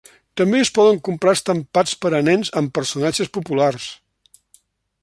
També es poden comprar estampats per a nens amb personatges populars.